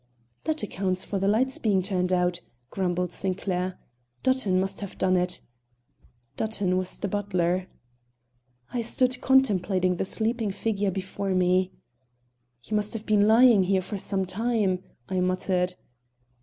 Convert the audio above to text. "That accounts for the lights being turned out," grumbled Sinclair. "Dutton must have done it." Dutton was the butler. I stood contemplating the sleeping figure before me. "He must have been lying here for some time," I muttered.